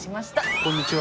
こんにちは。